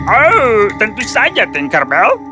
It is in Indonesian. oh tentu saja tinkerbell